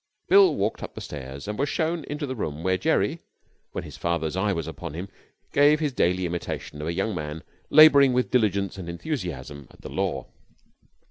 Bill walked up the stairs and was shown into the room where Jerry, when his father's eye was upon him, gave his daily imitation of a young man labouring with diligence and enthusiasm at the law.